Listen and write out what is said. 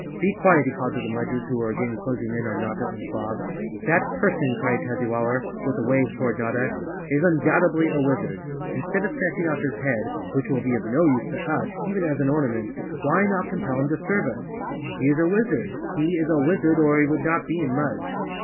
"Be quiet!" he called to the Mudgers who were again clos¬ ing in on Notta and Bob. "That person," cried Tazzywaller, with a wave to¬ ward Notta, "is undoubtedly a wizard. Instead of snatching off his head, which will be of no use to us, even as an ornament, why not compel him to serve us? He is a wizard, or he would not be in Mudge.